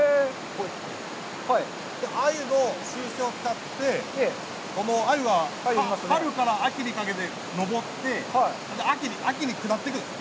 アユを使ってこのアユは春から秋にかけて上って、秋に下っていくんです。